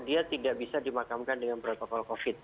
dia tidak bisa dimakamkan dengan protokol covid